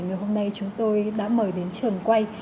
ngày hôm nay chúng tôi đã mời đến trường quay